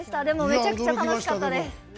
でもめちゃくちゃ楽しかったです。